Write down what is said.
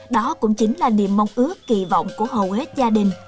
đó cũng chính là niềm mong ước kỳ vọng của hầu hết gia đình